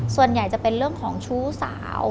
ส่วนใหญ่จะเป็นเรื่องของชู้สาว